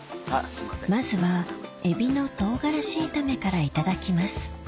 まずはエビの唐辛子炒めからいただきます